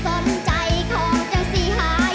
สิไปทางได้กล้าไปน้องบ่ได้สนของพ่อสำนี